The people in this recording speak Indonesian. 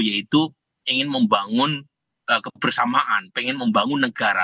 yaitu ingin membangun kebersamaan pengen membangun negara